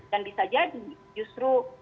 dan bisa jadi justru